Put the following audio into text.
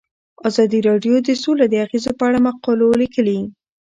ازادي راډیو د سوله د اغیزو په اړه مقالو لیکلي.